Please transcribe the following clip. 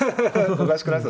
おかしくない？